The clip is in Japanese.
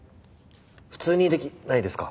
普通にできないですか？